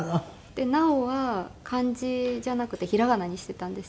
で「奈緒」は漢字じゃなくて平仮名にしていたんですよ。